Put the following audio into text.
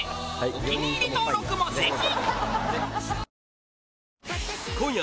お気に入り登録もぜひ！